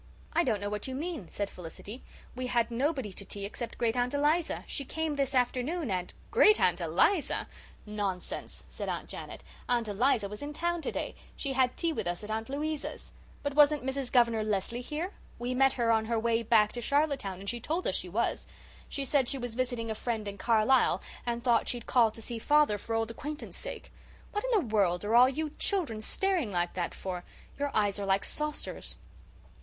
"I don't know what you mean," said Felicity. "We had nobody to tea except Great aunt Eliza. She came this afternoon and " "Great aunt Eliza? Nonsense," said Aunt Janet. "Aunt Eliza was in town today. She had tea with us at Aunt Louisa's. But wasn't Mrs. Governor Lesley here? We met her on her way back to Charlottetown and she told us she was. She said she was visiting a friend in Carlisle and thought she'd call to see father for old acquaintance sake. What in the world are all you children staring like that for? Your eyes are like saucers."